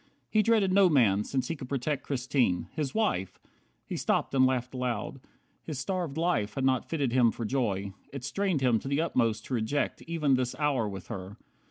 He dreaded no man, since he could protect Christine. His wife! He stopped and laughed aloud. His starved life had not fitted him for joy. It strained him to the utmost to reject Even this hour with her.